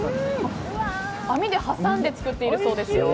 網で挟んで作っているそうですよ。